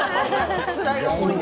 つらい思いで。